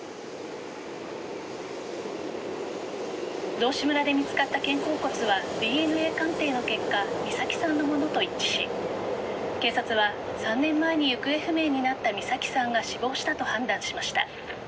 道志村で見つかった肩甲骨はＤＮＡ鑑定の結果美咲さんのものと一致し警察は３年前に行方不明になった美咲さんが死亡したと判断しました。